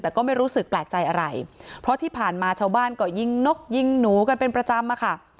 แต่ก็ไม่รู้สึกแปลกใจอะไรเพราะที่ผ่านมาชาวบ้านก็ยิงนกยิงหนูกันเป็นประจำอะค่ะ